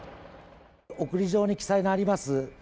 送り状に記載があります